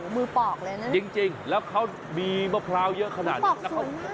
มือปอกเลยนะจริงแล้วเขามีมะพร้าวเยอะขนาดนี้แล้วเขา